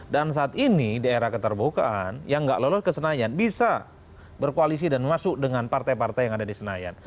saat ini di era keterbukaan yang gak lolos ke senayan bisa berkoalisi dan masuk dengan partai partai yang ada di senayan